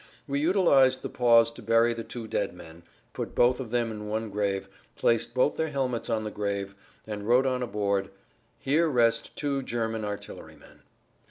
We utilized the pause to bury the two dead men, put both of them in one grave, placed both their helmets on the grave, and wrote on a board: "Here rest two German Artillerymen."